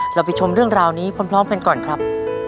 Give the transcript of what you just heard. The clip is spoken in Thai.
เราไปชมเรื่องราวนี้พร้อมกันก่อนครับ